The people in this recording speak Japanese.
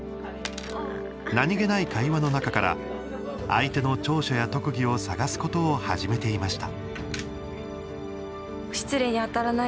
何気ない会話の中から相手の長所や特技を探すことを始めていました。